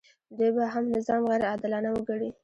دوی به هغه نظام غیر عادلانه وګڼي.